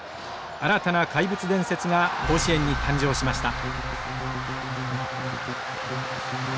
新たな怪物伝説が甲子園に誕生しました。